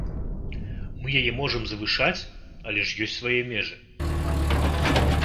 Мы яе можам завышаць, але ж ёсць свае межы.